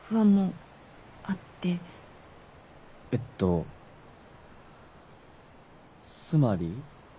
えっとつまり？